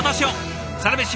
「サラメシ」